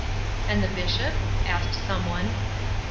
"And the Bishop?" asked some one.